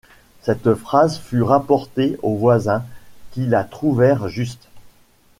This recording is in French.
Cette phrase fut rapportée aux voisins qui la trouvèrent juste.